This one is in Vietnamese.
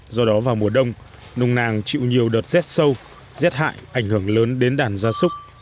do đó vào mùa đông nùng nàng chịu nhiều đợt rét sâu rét hại ảnh hưởng lớn đến đàn gia súc